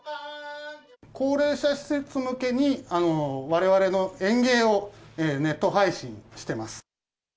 高齢者施設向けに、われわれの演芸をネット配信してます。